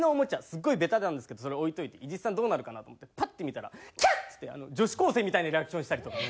すごいベタなんですけどそれ置いといて伊地知さんどうなるかなと思ってパッて見たら「キャッ！」っつって女子高生みたいなリアクションしたりとか。